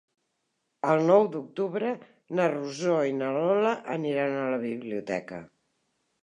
El nou d'octubre na Rosó i na Lola aniran a la biblioteca.